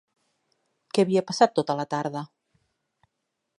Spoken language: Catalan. Què havia passat tota la tarda?